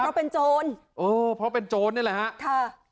เพราะเป็นโจรเออเพราะเป็นโจรนี่แหละฮะค่ะ